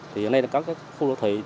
thì hôm nay có các khu đô thị